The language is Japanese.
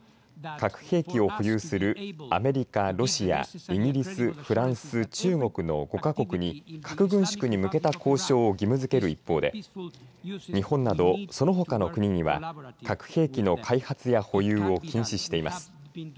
核兵器を保有するアメリカ、ロシアイギリス、フランス中国の５か国に核軍縮に向けた交渉を義務づける一方で日本など、そのほかの国には核兵器の開発や保有を禁止しています。